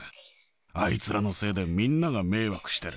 あいつらのせいで、みんなが迷惑してる。